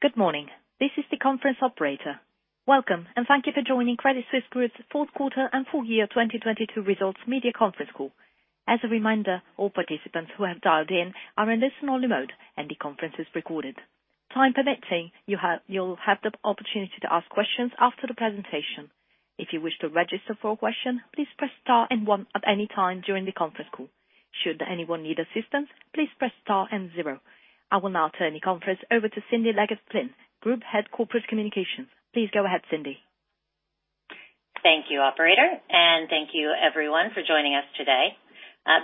Good morning. This is the conference operator. Welcome, thank you for joining Credit Suisse Group's Fourth Quarter and Full Year 2022 Results Media Conference Call. As a reminder, all participants who have dialed in are in listen-only mode and the conference is recorded. Time permitting, you'll have the opportunity to ask questions after the presentation. If you wish to register for a question, please press star and one at any time during the conference call. Should anyone need assistance, please press star and zero. I will now turn the conference over to Cindy Leggett-Flynn, Group Head Corporate Communications. Please go ahead, Cindy. Thank you operator, and thank you everyone for joining us today.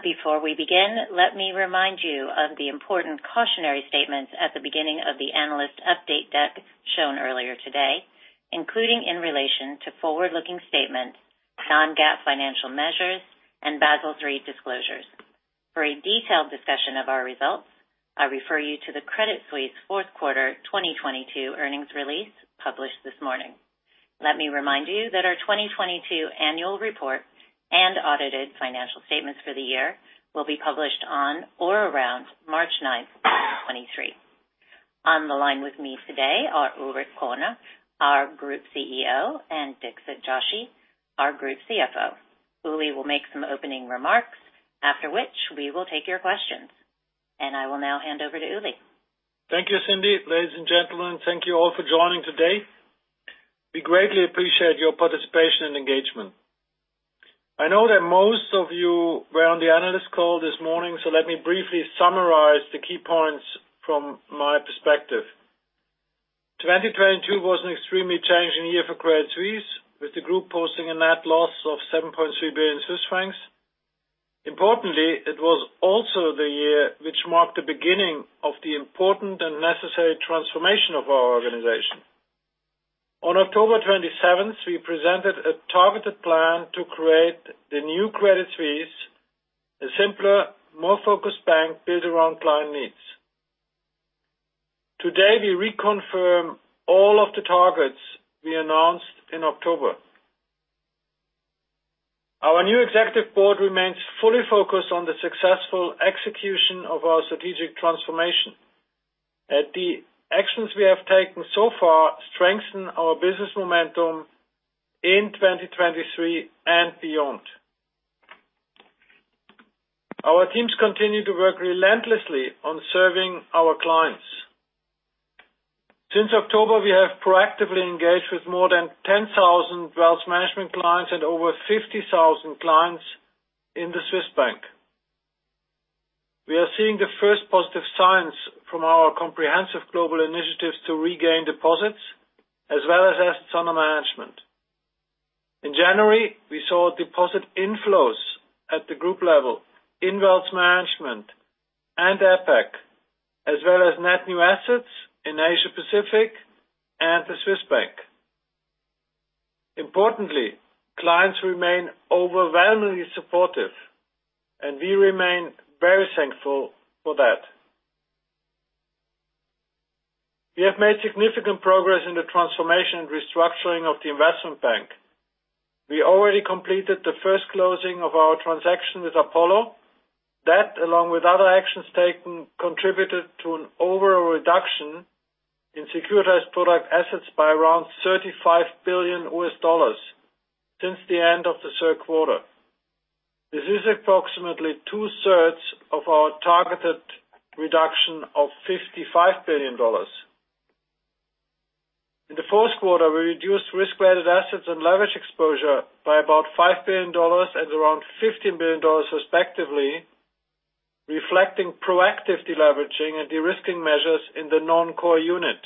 Before we begin, let me remind you of the important cautionary statements at the beginning of the analyst update deck shown earlier today, including in relation to forward-looking statements, non-GAAP financial measures and Basel III disclosures. For a detailed discussion of our results, I refer you to the Credit Suisse Fourth Quarter 2022 Earnings Release published this morning. Let me remind you that our 2022 annual report and audited financial statements for the year will be published on or around March 9, 2023. On the line with me today are Ulrich Körner, our Group CEO, and Dixit Joshi, our Group CFO. Uli will make some opening remarks, after which we will take your questions. I will now hand over to Ulrich. Thank you, Cindy. Ladies and gentlemen, thank you all for joining today. We greatly appreciate your participation and engagement. I know that most of you were on the analyst call this morning. Let me briefly summarize the key points from my perspective. 2022 was an extremely challenging year for Credit Suisse, with the group posting a net loss of 7.3 billion Swiss francs. Importantly, it was also the year which marked the beginning of the important and necessary transformation of our organization. On October 27th, we presented a targeted plan to create the New Credit Suisse, a simpler, more focused bank built around client needs. Today, we reconfirm all of the targets we announced in October. Our new executive board remains fully focused on the successful execution of our strategic transformation. The actions we have taken so far strengthen our business momentum in 2023 and beyond. Our teams continue to work relentlessly on serving our clients. Since October, we have proactively engaged with more than 10,000 wealth management clients and over 50,000 clients in the Swiss Bank. We are seeing the first positive signs from our comprehensive global initiatives to regain deposits as well as assets under management. In January, we saw deposit inflows at the group level in wealth management and APAC, as well as net new assets in Asia-Pacific and the Swiss Bank. Importantly, clients remain overwhelmingly supportive, and we remain very thankful for that. We have made significant progress in the transformation and restructuring of the investment bank. We already completed the first closing of our transaction with Apollo. That, along with other actions taken, contributed to an overall reduction in Securitized Products assets by around $35 billion since the end of the third quarter. This is approximately 2/3 of our targeted reduction of $55 billion. In Q4, we reduced risk-weighted assets and leverage exposure by about $5 billion and around $15 billion respectively, reflecting proactive deleveraging and de-risking measures in the Non-Core Unit.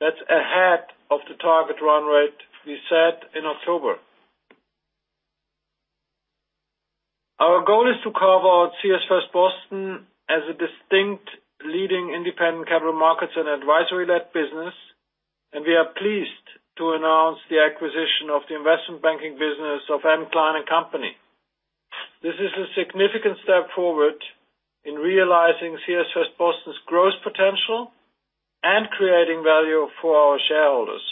That's ahead of the target run rate we set in October. Our goal is to carve out CS First Boston as a distinct leading independent capital markets and advisory-led business, and we are pleased to announce the acquisition of the investment banking business of M. Klein & Company. This is a significant step forward in realizing CS First Boston's growth potential and creating value for our shareholders.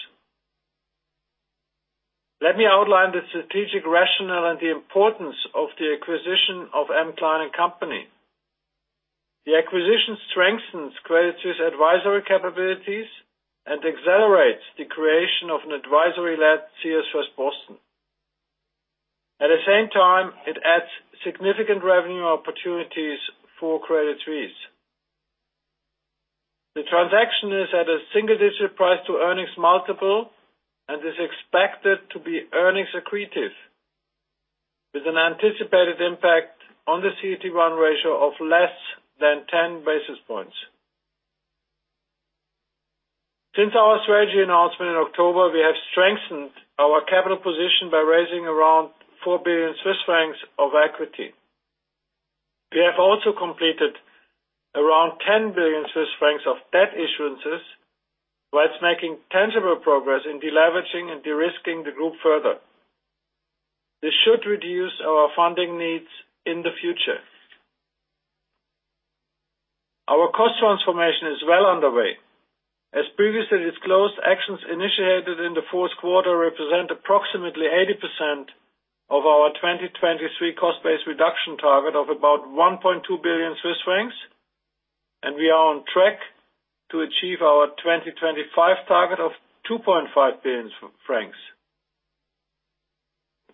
Let me outline the strategic rationale and the importance of the acquisition of M. Klein & Company. The acquisition strengthens Credit Suisse advisory capabilities and accelerates the creation of an advisory-led CS First Boston. At the same time, it adds significant revenue opportunities for Credit Suisse. The transaction is at a single-digit price to earnings multiple and is expected to be earnings accretive, with an anticipated impact on the CET1 ratio of less than 10 basis points. Since our strategy announcement in October, we have strengthened our capital position by raising around 4 billion Swiss francs of equity. We have also completed around 10 billion Swiss francs of debt issuances whilst making tangible progress in deleveraging and de-risking the group further. This should reduce our funding needs in the future. Our cost transformation is well underway. As previously disclosed, actions initiated in the fourth quarter represent approximately 80% of our 2023 cost base reduction target of about 1.2 billion Swiss francs. We are on track to achieve our 2025 target of 2.5 billion francs.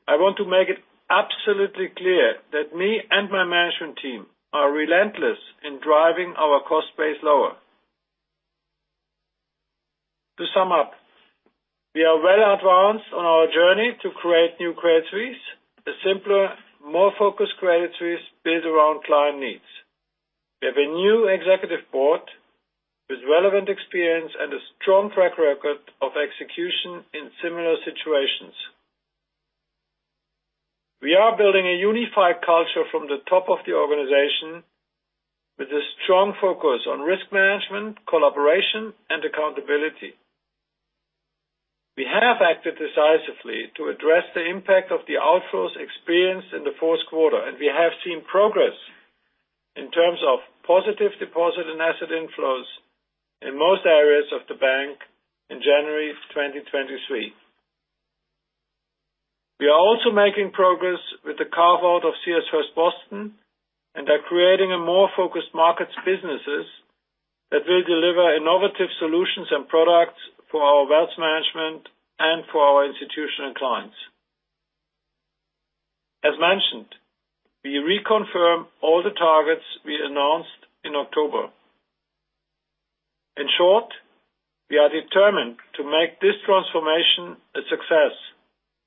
I want to make it absolutely clear that me and my management team are relentless in driving our cost base lower. To sum up, we are well advanced on our journey to create new Credit Suisse, a simpler, more focused Credit Suisse built around client needs. We have a new executive board with relevant experience and a strong track record of execution in similar situations. We are building a unified culture from the top of the organization with a strong focus on risk management, collaboration, and accountability. We have acted decisively to address the impact of the outflows experienced in the fourth quarter. We have seen progress in terms of positive deposit and asset inflows in most areas of the bank in January 2023. We are also making progress with the carve-out of CS First Boston and are creating a more focused markets businesses that will deliver innovative solutions and products for our wealth management and for our institutional clients. As mentioned, we reconfirm all the targets we announced in October. In short, we are determined to make this transformation a success,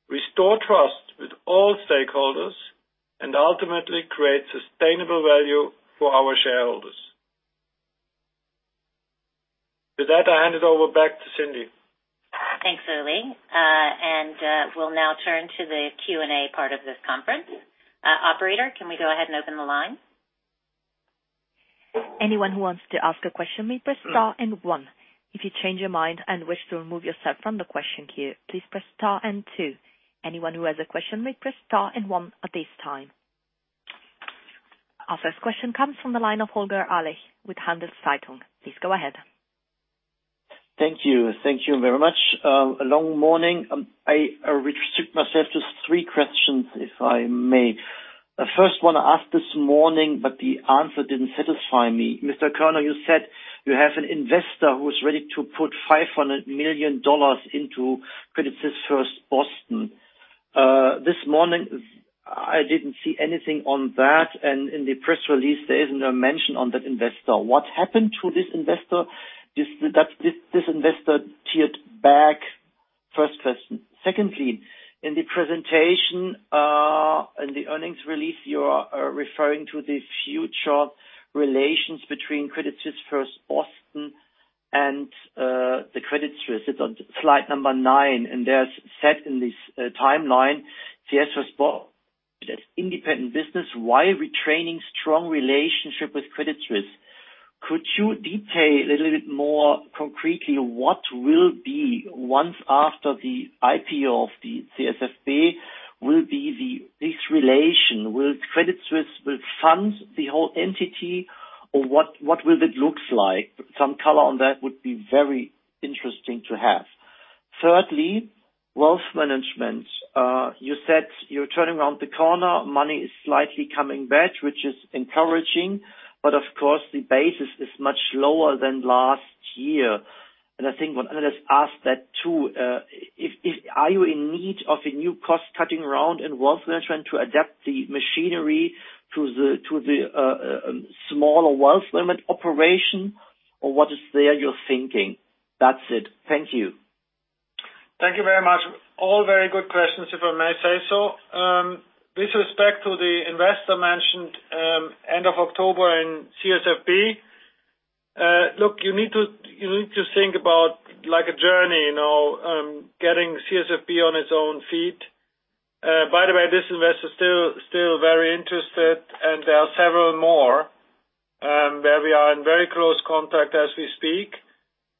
restore trust with all stakeholders, and ultimately create sustainable value for our shareholders. With that, I hand it over back to Cindy. Thanks, Ulrich. We'll now turn to the Q&A part of this conference. Operator, can we go ahead and open the line? Anyone who wants to ask a question may press star and one. If you change your mind and wish to remove yourself from the question queue, please press star and two. Anyone who has a question may press star and one at this time. Our first question comes from the line of Holger Alich with Handelszeitung. Please go ahead. Thank you. Thank you very much. A long morning. I restrict myself to three questions, if I may. The first one I asked this morning, the answer didn't satisfy me. Mr. Körner, you said you have an investor who's ready to put $500 million into Credit Suisse First Boston. This morning, I didn't see anything on that, and in the press release, there isn't a mention on that investor. What happened to this investor? Is that this investor tiered back? First question. Secondly, in the presentation, in the earnings release, you are referring to the future relations between Credit Suisse First Boston and the Credit Suisse. It's on slide number nine, and there's set in this timeline, CS First Boston as independent business, why we training strong relationship with Credit Suisse. Could you detail a little bit more concretely what will be once after the IPO of the CSFB will be this relation? Will Credit Suisse fund the whole entity, or what will it looks like? Some color on that would be very interesting to have. Thirdly, wealth management. You said you're turning around the corner, money is slightly coming back, which is encouraging, but of course, the basis is much lower than last year. I think what analysts ask that, too, if, are you in need of a new cost-cutting round in wealth management to adapt the machinery to the smaller wealth limit operation, or what is there you're thinking? That's it. Thank you. Thank you veru much. All very good questions, if I may say so. With respect to the investor mentioned end of October in CSFB, look, you need to think about like a journey, you know, getting CSFB on its own feet. By the way, this investor is still very interested, and there are several more where we are in very close contact as we speak.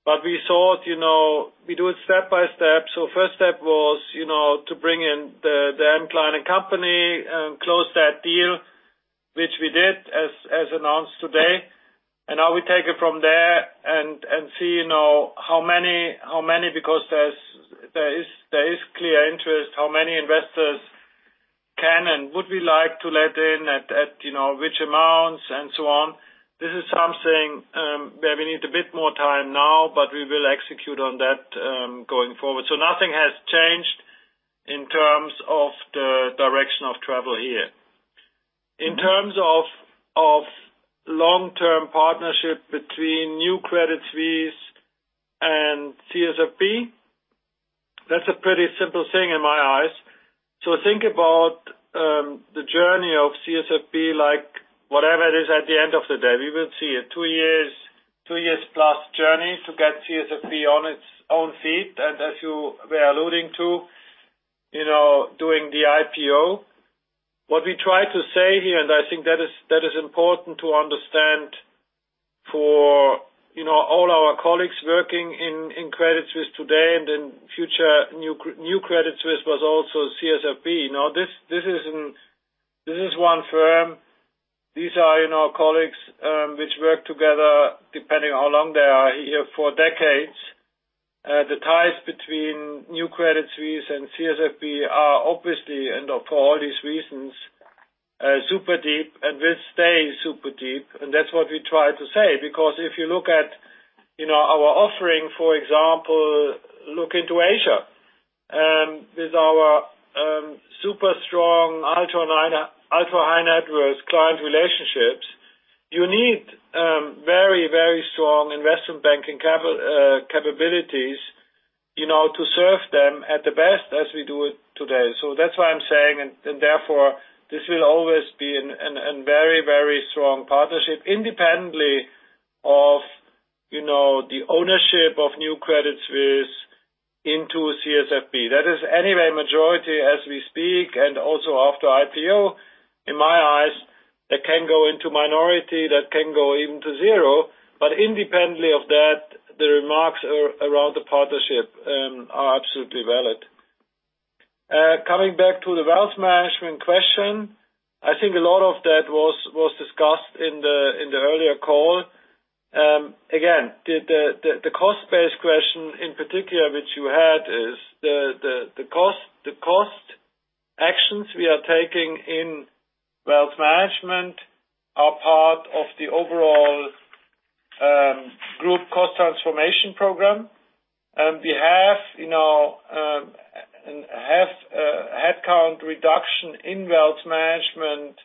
But we thought, you know, we do it step by step, so first step was, you know, to bring in M. Klein & Company and close that deal, which we did as announced today Now we take it from there and see, you know, how many, because there is clear interest, how many investors can and would we like to let in at, you know, which amounts and so on. This is something where we need a bit more time now, but we will execute on that going forward. Nothing has changed in terms of the direction of travel here. In terms of long-term partnership between New Credit Suisse and CSFB, that's a pretty simple thing in my eyes. Think about the journey of CSFB like whatever it is at the end of the day. We will see a two years-plus journey to get CSFB on its own feet. As you were alluding to, you know, doing the IPO. What we try to say here, I think that is, that is important to understand for, you know, all our colleagues working in Credit Suisse today and in future New Credit Suisse was also CSFB. This, this isn't. This is one firm. These are, you know, colleagues which work together depending on how long they are here for decades. The ties between New Credit Suisse and CSFB are obviously, for all these reasons, super deep and will stay super deep. That's what we try to say. If you look at, you know, our offering, for example, look into Asia, with our super strong ultra high net worth client relationships, you need very, very strong investment banking capabilities to serve them at the best as we do it today. That's why I'm saying and therefore this will always be a very, very strong partnership independently of, you know, the ownership of New Credit Suisse into CSFB. That is anyway majority as we speak and also after IPO. In my eyes, that can go into minority, that can go even to zero. Independently of that, the remarks around the partnership are absolutely valid. Coming back to the wealth management question, I think a lot of that was discussed in the earlier call. Again, the cost-based question in particular, which you had, is the cost actions we are taking in wealth management are part of the overall group cost transformation program. We, you know, have headcount reduction in wealth management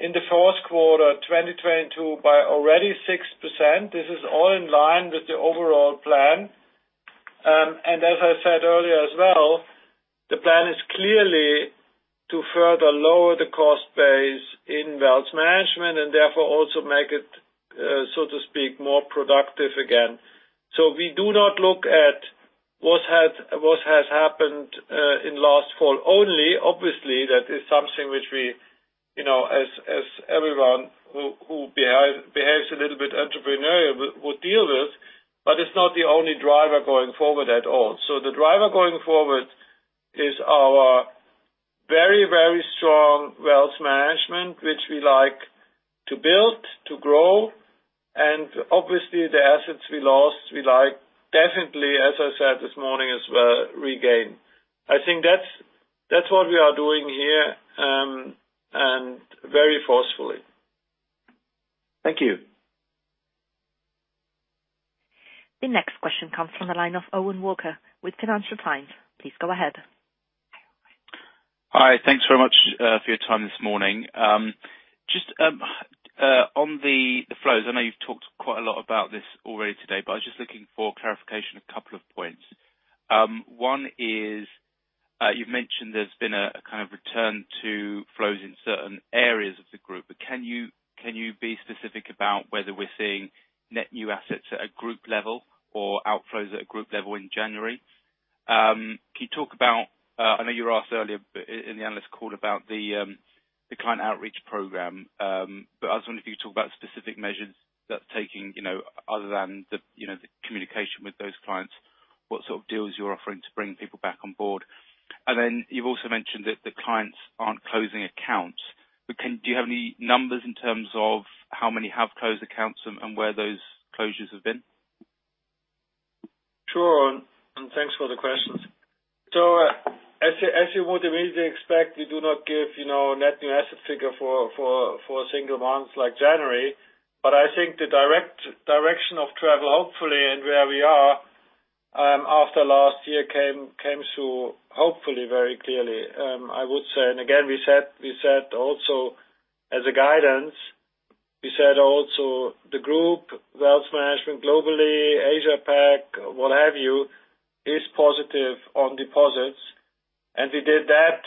in the fourth quarter 2022 by already 6%. This is all in line with the overall plan. As I said earlier as well, the plan is clearly to further lower the cost base in wealth management and therefore also make it so to speak more productive again. We do not look at what has happened in last fall only. Obviously, that is something which we, you know, as everyone who behaves a little bit entrepreneurial would deal with, but it's not the only driver going forward at all. The driver going forward is our very, very strong wealth management, which we like to build, to grow. Obviously, the assets we lost, we like, definitely, as I said this morning as well, regain. I think that's what we are doing here, and very forcefully. Thank you. The next question comes from the line of Owen Walker with Financial Times. Please go ahead. Hi. Thanks very much for your time this morning. Just on the flows, I know you've talked quite a lot about this already today, but I was just looking for clarification, a couple of points. One is, you've mentioned there's been a kind of return to flows in certain areas of the group. Can you, can you be specific about whether we're seeing net new assets at a group level or outflows at a group level in January? Can you talk about, I know you were asked earlier in the analyst call about the client outreach program, but I was wondering if you could talk about specific measures that taking, you know, other than the, you know, the communication with those clients, what sort of deals you're offering to bring people back on board? You've also mentioned that the clients aren't closing accounts. Do you have any numbers in terms of how many have closed accounts and where those closures have been? Sure, thanks for the questions. As you would immediately expect, we do not give, you know, net new asset figure for single months like January. I think the direction of travel, hopefully, and where we are, after last year came through, hopefully very clearly. I would say again, we said also as a guidance, we said also the group, wealth management globally, Asia Pac, what have you, is positive on deposits. We did that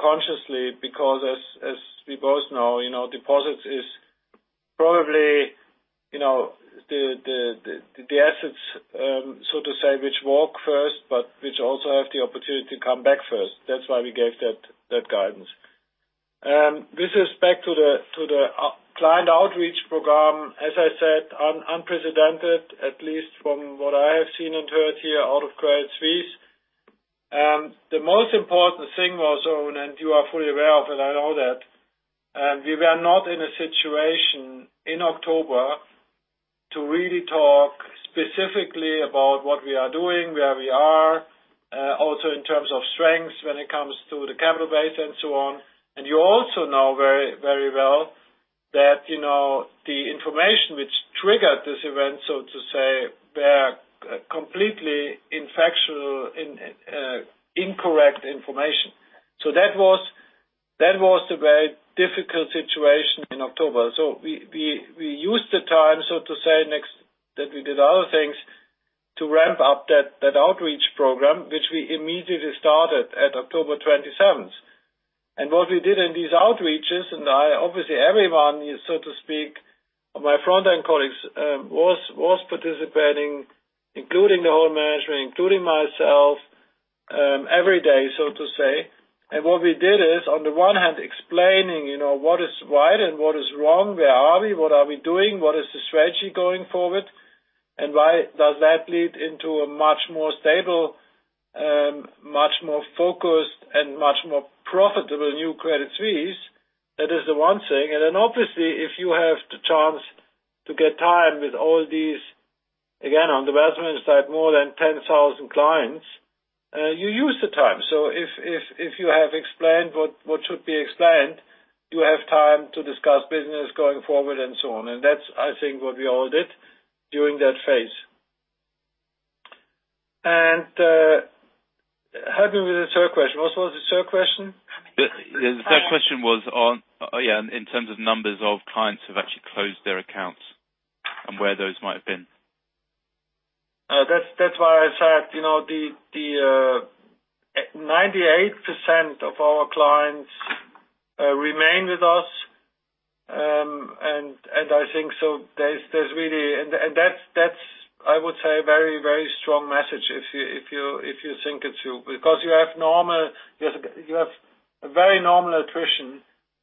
consciously because as we both know, you know, deposits is probably, you know, the assets, so to say, which work first, but which also have the opportunity to come back first. That's why we gave that guidance. This is back to the client outreach program, as I said, unprecedented, at least from what I have seen and heard here out of Credit Suisse. The most important thing was, Owen, you are fully aware of it, I know that we were not in a situation in October to really talk specifically about what we are doing, where we are also in terms of strengths when it comes to the capital base and so on. You also know very, very well that, you know, the information which triggered this event, so to say, were completely incorrect information. That was the very difficult situation in October. We used the time that we did other things to ramp up that outreach program, which we immediately started at October 27th. What we did in these outreaches, obviously everyone, so to speak, my front end colleagues, was participating, including the whole management, including myself, every day. What we did is, on the one hand explaining, you know, what is right and what is wrong, where are we, what are we doing, what is the strategy going forward, and why does that lead into a much more stable. Much more focused and much more profitable New Credit Suisse. That is the one thing. Obviously, if you have the chance to get time with all these, again, on the investment side, more than 10,000 clients, you use the time. If you have explained what should be explained, you have time to discuss business going forward and so on. That's, I think, what we all did during that phase. Help me with the third question. What was the third question? The third question was on, oh, yeah, in terms of numbers of clients who have actually closed their accounts and where those might have been. That's why I said, you know, the 98% of our clients remain with us. I think so there's really. That's I would say very strong message if you think it through because you have a very normal attrition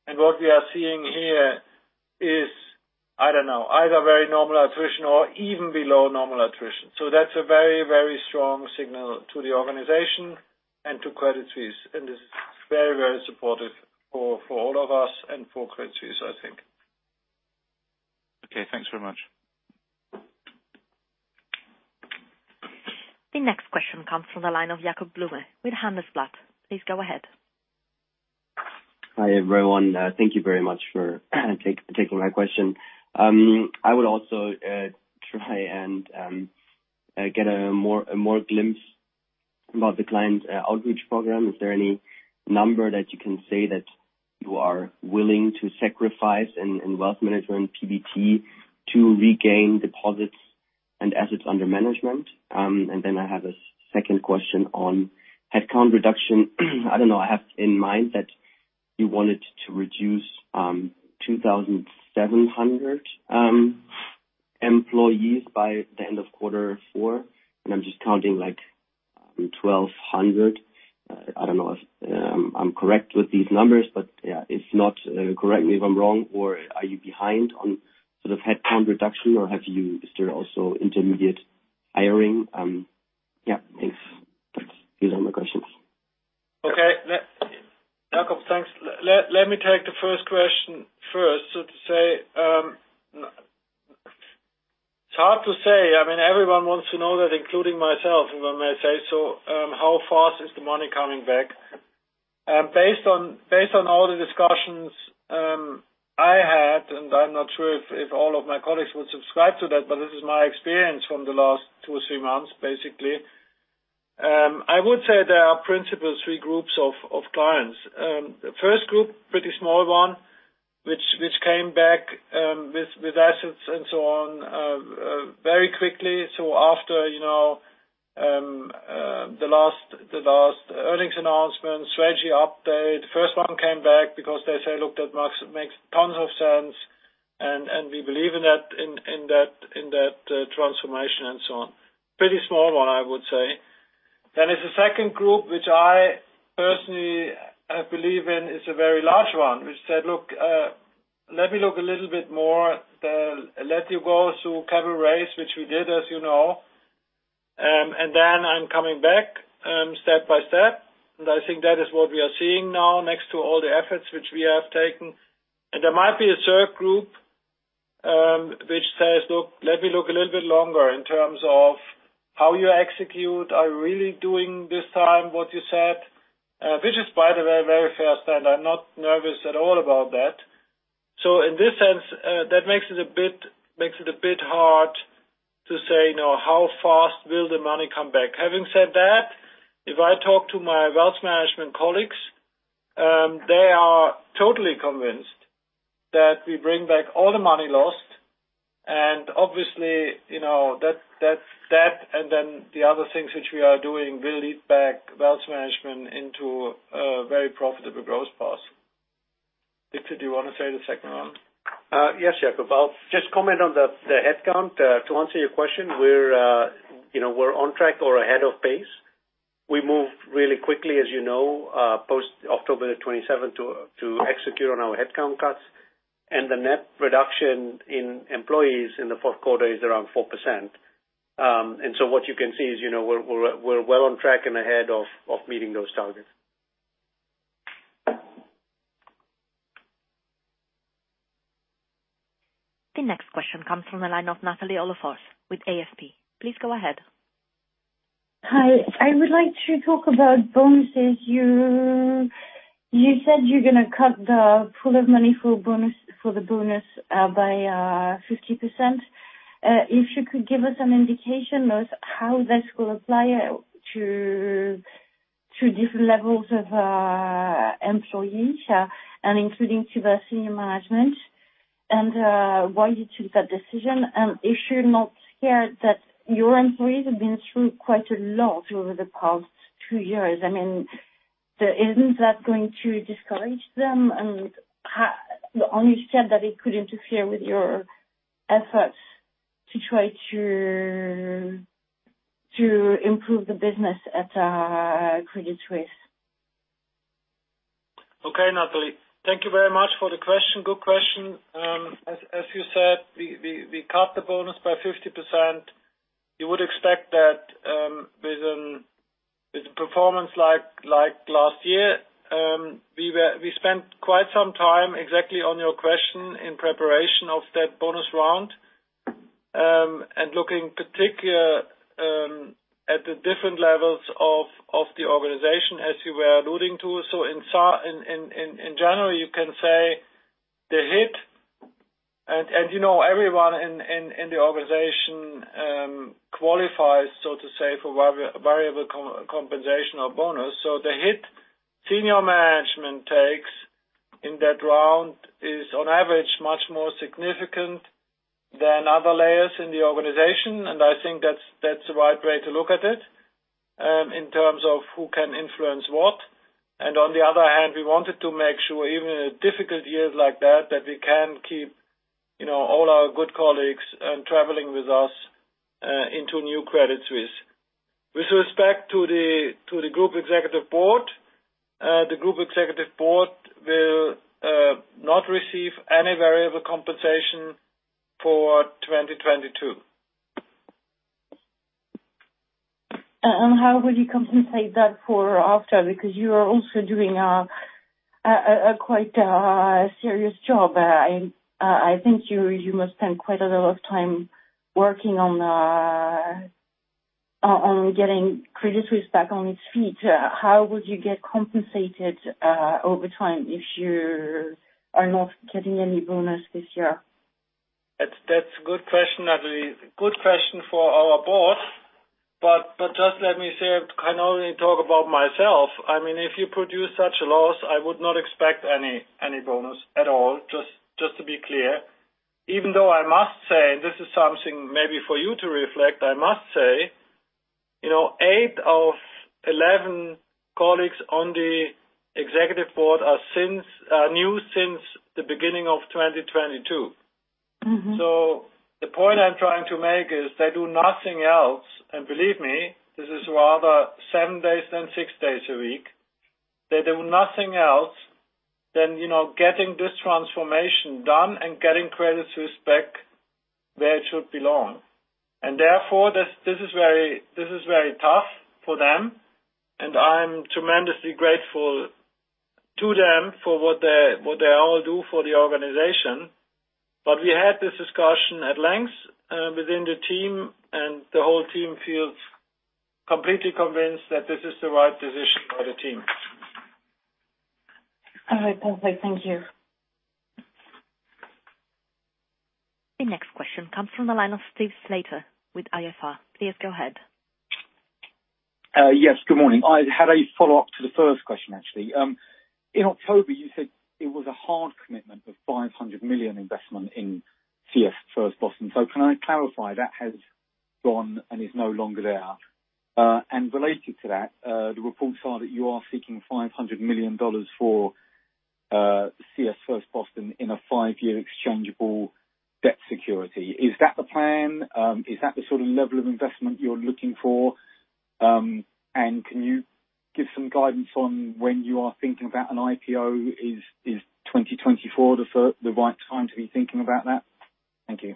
and what we are seeing here is, I don't know, either very normal attrition or even below normal attrition. That's a very strong signal to the organization and to Credit Suisse, and it's very supportive for all of us and for Credit Suisse, I think. Okay, thanks very much. The next question comes from the line of Jakob Blume with Handelsblatt. Please go ahead. Hi, everyone. Thank you very much for taking my question. I would also try and get a more glimpse about the client outreach program. Is there any number that you can say that you are willing to sacrifice in wealth management PBT to regain deposits and assets under management? I have a second question on headcount reduction. I don't know. I have in mind that you wanted to reduce 2,700 employees by the end of Q4, and I'm just counting like 1,200. I don't know if I'm correct with these numbers, but if not, correct me if I'm wrong, or are you behind on sort of headcount reduction, or is there also intermediate hiring? Thanks. These are my questions. Okay. Jakob, thanks. Let me take the first question first. To say, it's hard to say. I mean, everyone wants to know that, including myself, if I may say so. How fast is the money coming back? Based on all the discussions I had, and I'm not sure if all of my colleagues would subscribe to that, but this is my experience from the last two or three months, basically. I would say there are principally three groups of clients. The first group, pretty small one, which came back with assets and so on, very quickly. After, you know, the last earnings announcement, strategy update, first one came back because they say, "Look, that makes tons of sense, and we believe in that, in that transformation and so on." Pretty small one, I would say. There's a second group, which I personally, I believe in, is a very large one, which said, "Look, let me look a little bit more. Let you go through capital raise," which we did, as you know. "And then I'm coming back, step by step." I think that is what we are seeing now next to all the efforts which we have taken. There might be a third group, which says, "Look, let me look a little bit longer in terms of how you execute. Are you really doing this time what you said?" Which is, by the way, very fair, I'm not nervous at all about that. In this sense, that makes it a bit hard to say, you know, how fast will the money come back. Having said that, if I talk to my wealth management colleagues, they are totally convinced that we bring back all the money lost. Obviously, you know, that and then the other things which we are doing will lead back wealth management into a very profitable growth path. Dixit, do you want to say the second one? Yes, Jakob. I'll just comment on the headcount. To answer your question, we're, you know, we're on track or ahead of pace. We moved really quickly, as you know, post-October 27th to execute on our headcount cuts. The net reduction in employees in the fourth quarter is around 4%. What you can see is, you know, we're well on track and ahead of meeting those targets. The next question comes from the line of Nathalie Olof-Ors with AFP. Please go ahead. Hi. I would like to talk about bonuses. You said you're gonna cut the pool of money for the bonus by 50%. If you could give us an indication of how this will apply to different levels of employees, and including to the senior management, why you took that decision. If you're not scared that your employees have been through quite a lot over the past two years. I mean, isn't that going to discourage them and you understand that it could interfere with your efforts to try to improve the business at Credit Suisse? Okay, Nathalie, thank you very much for the question. Good question. As you said, we cut the bonus by 50%. You would expect that, with a performance like last year, we spent quite some time exactly on your question in preparation of that bonus round, and looking particular at the different levels of the organization as you were alluding to. In general, you can say the hit and you know, everyone in the organization qualifies, so to say, for variable compensation or bonus. The hit senior management takes in that round is on average much more significant than other layers in the organization. I think that's the right way to look at it, in terms of who can influence what. On the other hand, we wanted to make sure even in difficult years like that we can keep, you know, all our good colleagues, traveling with us, into New Credit Suisse. With respect to the Group Executive Board, the Group Executive Board will not receive any variable compensation for 2022. How will you compensate that for after? Because you are also doing a quite serious job. I think you must spend quite a lot of time working on getting Credit Suisse back on its feet. How would you get compensated over time if you are not getting any bonus this year? That's a good question, Nathalie. Good question for our board. Just let me say, I can only talk about myself. I mean, if you produce such a loss, I would not expect any bonus at all, just to be clear. I must say, and this is something maybe for you to reflect, I must say, you know, eight of 11 colleagues on the executive board are new since the beginning of 2022. Mm-hmm. The point I'm trying to make is they do nothing else, and believe me, this is rather seven days than six days a week. They do nothing else than, you know, getting this transformation done and getting Credit Suisse back where it should belong. Therefore, this is very tough for them, and I'm tremendously grateful to them for what they all do for the organization. We had this discussion at length within the team, and the whole team feels completely convinced that this is the right decision for the team. All right. Perfect. Thank you. The next question comes from the line of Steve Slater with IFR. Please go ahead. Yes, good morning. I had a follow-up to the first question, actually. In October, you said it was a hard commitment of $500 million investment in CS First Boston. Can I clarify, that has gone and is no longer there? Related to that, the reports are that you are seeking $500 million for CS First Boston in a five-year exchangeable debt security. Is that the plan? Is that the sort of level of investment you're looking for? Can you give some guidance on when you are thinking about an IPO? Is 2024 the right time to be thinking about that? Thank you.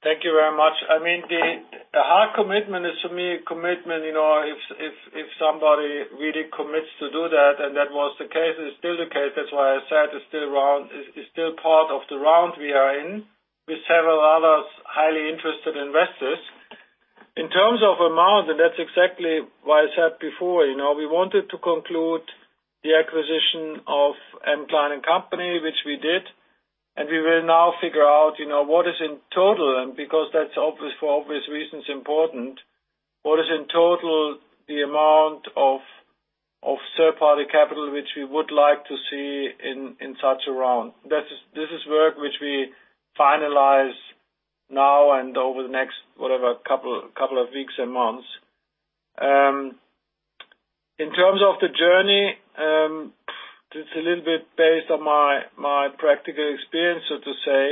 Thank you very much. I mean, a hard commitment is, for me, a commitment, you know, if somebody really commits to do that, and that was the case, it's still the case. That's why I said it's still part of the round we are in with several others highly interested investors. In terms of amount, and that's exactly what I said before, you know, we wanted to conclude the acquisition of M. Klein & Company, which we did. We will now figure out, you know, what is in total. Because for obvious reasons important, what is in total the amount of third-party capital, which we would like to see in such a round. This is work which we finalize now and over the next, whatever, couple of weeks and months. In terms of the journey, it's a little bit based on my practical experience, so to say.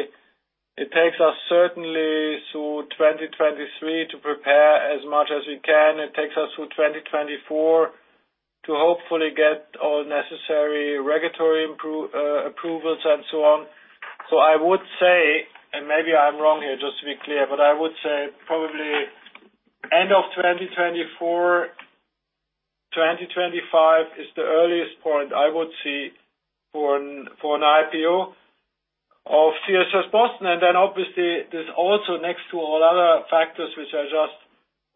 It takes us certainly through 2023 to prepare as much as we can. It takes us through 2024 to hopefully get all necessary regulatory approvals and so on. I would say, and maybe I'm wrong here, just to be clear, but I would say probably end of 2024, 2025 is the earliest point I would see for an IPO of CS First Boston. Obviously, there's also next to all other factors which I just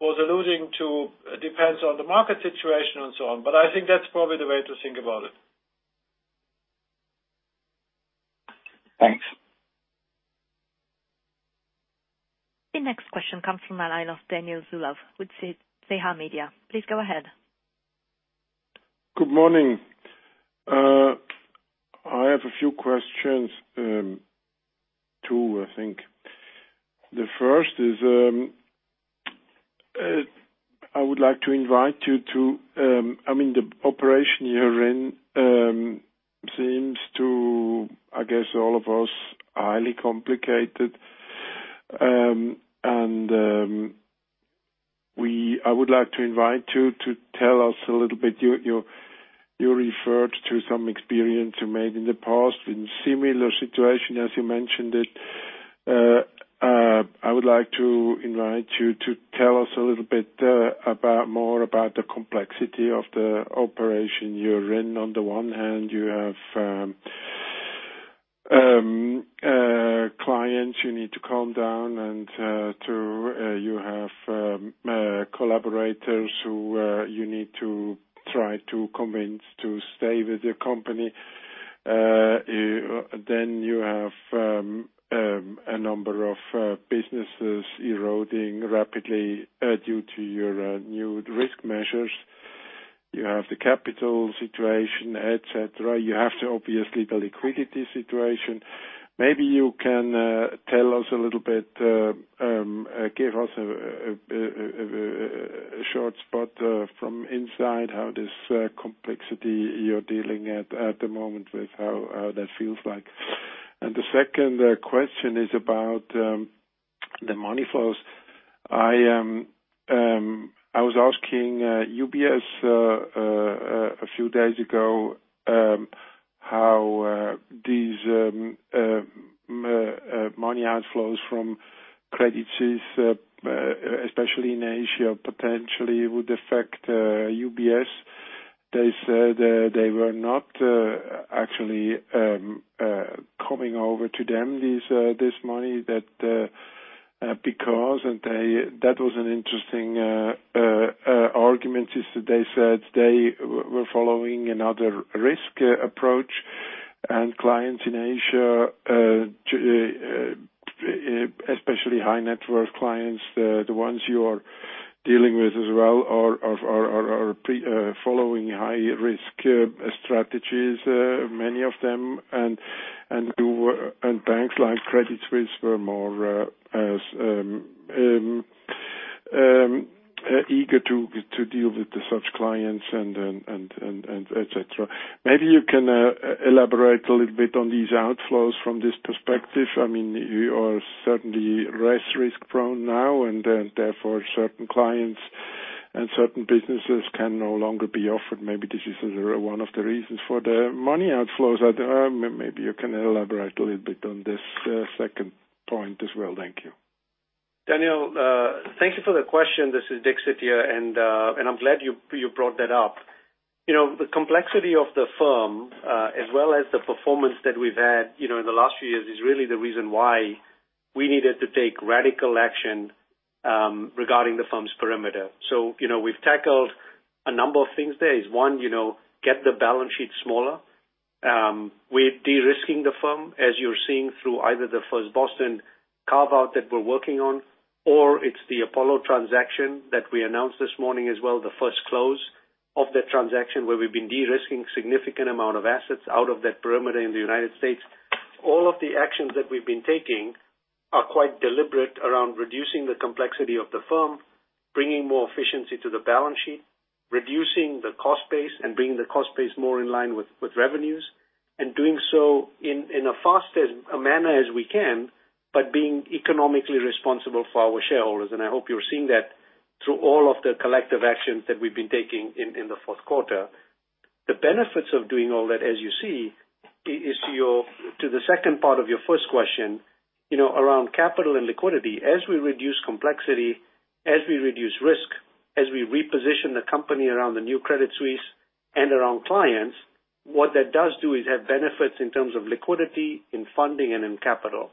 was alluding to, depends on the market situation and so on. I think that's probably the way to think about it. Thanks. The next question comes from a line of Daniel Zulauf with CH Media. Please go ahead. Good morning. I have a few questions, two, I think. The first is, I mean, the operation you're in seems-I guess all of us, highly complicated. I would like to invite you to tell us a little bit, you referred to some experience you made in the past in similar situation as you mentioned it. I would like to invite you to tell us a little bit more about the complexity of the operation you're in. On the one hand, you have clients you need to calm down and you have collaborators who you need to try to convince to stay with the company. You have a number of businesses eroding rapidly due to your new risk measures. You have the capital situation, et cetera. You have to obviously the liquidity situation. Maybe you can tell us a little bit, give us a short spot from inside how this complexity you're dealing at the moment with how that feels like? The second question is about the money flows. I was asking UBS a few days ago how these money outflows from Credit Suisse, especially in Asia, potentially would affect UBS? They said, they were not actually coming over to them, this money that, because that was an interesting argument, is that they said they were following another risk approach. Clients in Asia, especially high net worth clients, the ones you are dealing with as well, are following high-risk strategies, many of them and banks like Credit Suisse were more as eager to deal with the such clients and etcetera. Maybe you can elaborate a little bit on these outflows from this perspective. I mean, you are certainly less risk-prone now, and then therefore, certain clients and certain businesses can no longer be offered. Maybe this is one of the reasons for the money outflows. Maybe you can elaborate a little bit on this, second point as well. Thank you. Daniel, thank you for the question. This is Dixit Joshi, and I'm glad you brought that up. You know, the complexity of the firm, as well as the performance that we've had, you know, in the last few years is really the reason why we needed to take radical action regarding the firm's perimeter. You know, we've tackled a number of things there, is one, you know, get the balance sheet smaller. We're de-risking the firm, as you're seeing through either the First Boston carve-out that we're working on, or it's the Apollo transaction that we announced this morning as well, the first close of that transaction where we've been de-risking significant amount of assets out of that perimeter in the United States. All of the actions that we've been taking are quite deliberate around reducing the complexity of the firm, bringing more efficiency to the balance sheet, reducing the cost base and bringing the cost base more in line with revenues, and doing so in a fastest manner as we can, but being economically responsible for our shareholders. I hope you're seeing that through all of the collective actions that we've been taking in the fourth quarter. The benefits of doing all that, as you see, is to the second part of your first question, you know, around capital and liquidity. As we reduce complexity, as we reduce risk, as we reposition the company around the New Credit Suisse and around clients, what that does do is have benefits in terms of liquidity, in funding, and in capital.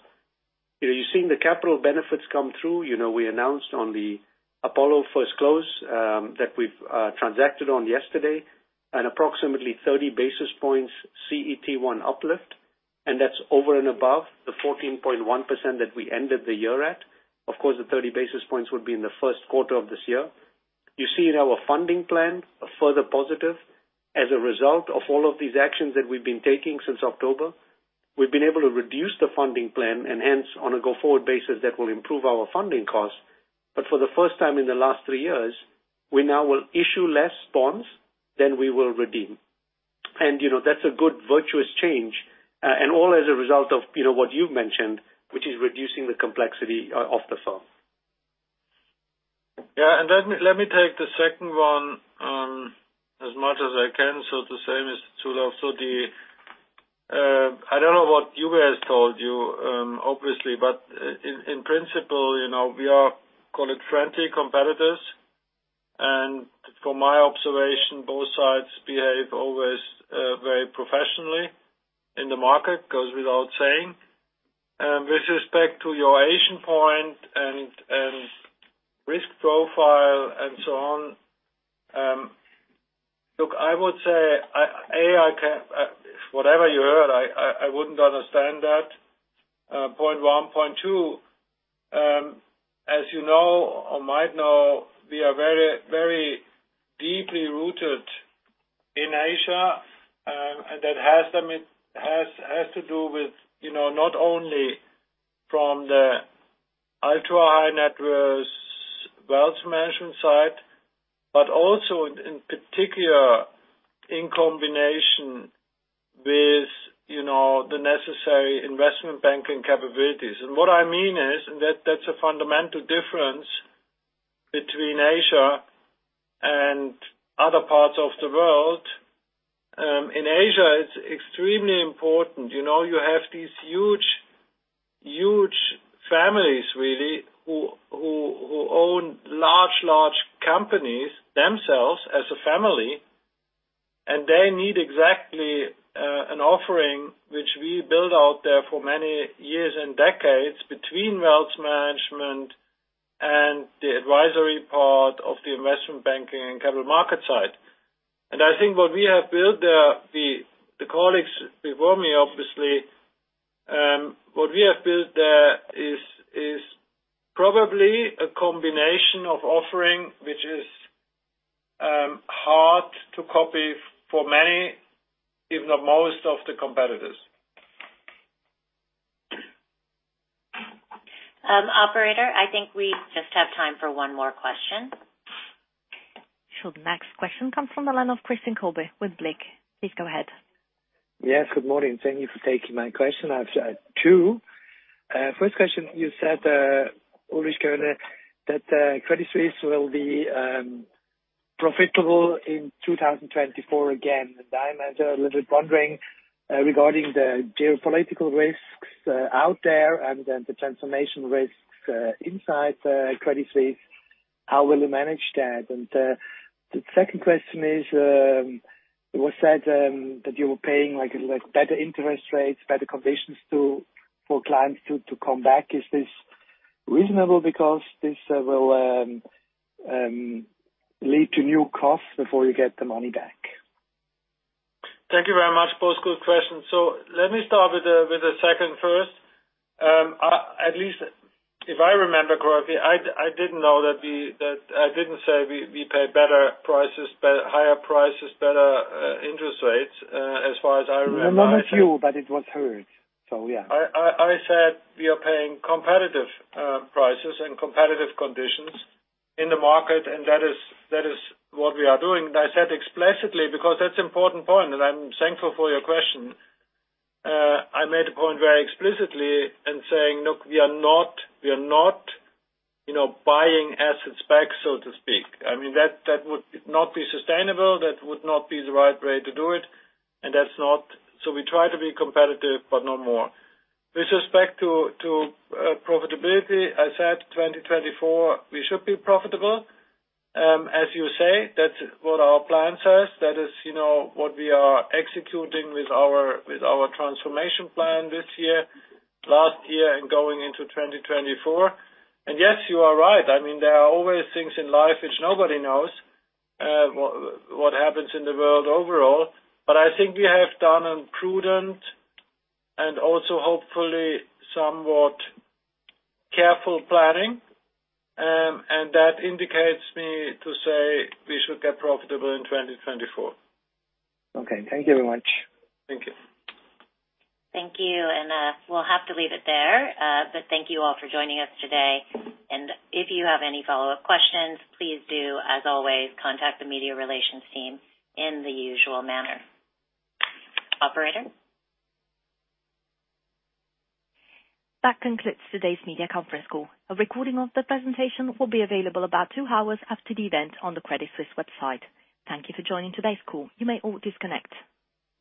You've seen the capital benefits come through. You know, we announced on the Apollo first close that we've transacted on yesterday, an approximately 30 basis points CET1 uplift, and that's over and above the 14.1% that we ended the year at. Of course, the 30 basis points would be in the first quarter of this year. You see in our funding plan a further positive as a result of all of these actions that we've been taking since October. We've been able to reduce the funding plan and hence on a go-forward basis that will improve our funding costs. For the first time in the last three years, we now will issue less bonds than we will redeem. You know, that's a good virtuous change, and all as a result of, you know, what you've mentioned, which is reducing the complexity of the firm. Yeah. Let me take the second one, as much as I can. To say, Mr. Zulauf, the, I don't know what UBS told you, obviously, but in principle, you know, we are, call it, frantic competitors. From my observation, both sides behave always very professionally in the market, goes without saying. With respect to your Asian point and risk profile and so on, look, I would say, I can Whatever you heard, I wouldn't understand that, point one. Point two, as you know or might know, we are very, very deeply rooted in Asia, and that has to do with, you know, not only from the ultra high network wealth management side, but also in particular, in combination with, you know, the necessary investment banking capabilities. What I mean is that that's a fundamental difference between Asia and other parts of the world. In Asia, it's extremely important. You know, you have these huge families really who own large companies themselves as a family, and they need exactly an offering which we build out there for many years and decades between wealth management and the advisory part of the investment banking and capital market side. I think what we have built, the colleagues before me, obviously, what we have built there is probably a combination of offering which is hard to copy for many, if not most of the competitors. Operator, I think we just have time for one more question. Sure. The next question comes from the line of Christian Kolbe with Blick. Please go ahead. Yes, good morning. Thank you for taking my question. I've two. First question, you said Ulrich Körner, that Credit Suisse will be profitable in 2024 again. I am a little bit wondering regarding the geopolitical risks out there and then the transformation risks inside Credit Suisse, how will you manage that? The second question is, it was said that you were paying, like, better interest rates, better conditions for clients to come back. Is this reasonable because this will lead to new costs before you get the money back? Thank you very much. Both good questions. Let me start with the second first. At least if I remember correctly, I didn't know that I didn't say we paid better higher prices, better interest rates, as far as I remember. Not a few, but it was heard. Yeah. I said we are paying competitive prices and competitive conditions in the market, and that is what we are doing. I said explicitly because that's important point, and I'm thankful for your question. I made a point very explicitly in saying, look, we are not, you know, buying assets back, so to speak. I mean, that would not be sustainable. That would not be the right way to do it, and that's not. We try to be competitive, but no more. With respect to profitability, I said 2024, we should be profitable. As you say, that's what our plan says. That is, you know, what we are executing with our transformation plan this year, last year, and going into 2024. Yes, you are right. I mean, there are always things in life which nobody knows, what happens in the world overall. I think we have done a prudent and also hopefully somewhat careful planning, that indicates me to say we should get profitable in 2024. Okay. Thank you very much. Thank you. Thank you. We'll have to leave it there. Thank you all for joining us today. If you have any follow-up questions, please do, as always, contact the media relations team in the usual manner. Operator? That concludes today's media conference call. A recording of the presentation will be available about two hours after the event on the Credit Suisse website. Thank you for joining today's call. You may all disconnect.